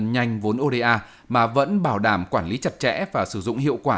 ngân nhanh vốn oda mà vẫn bảo đảm quản lý chặt chẽ và sử dụng hiệu quả